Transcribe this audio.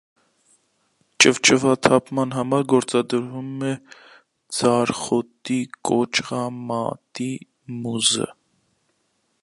Ճիճվաթափման համար գործադրվում է ձարխոտի կոճղարմատի մուզը։